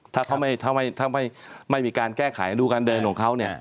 ถ้าเขาไม่มีการแก้ไขดูการเดินของเขาเนี่ย